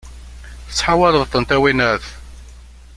Tettḥawaleḍ-tent, a winnat!